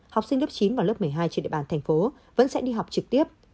học sinh lớp chín và lớp một mươi hai trên địa bàn thành phố vẫn sẽ đi học trực tiếp